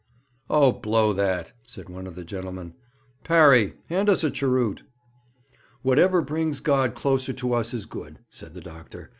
'Oh, blow that!' said one of the gentlemen. 'Parry, hand us a cheroot.' 'Whatever brings God closer to us is good,' said the doctor.